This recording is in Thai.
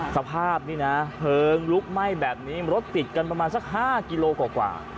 สภาพนี่นะเพลิงลุกไหม้แบบนี้รถติดกันประมาณสัก๕กิโลกว่า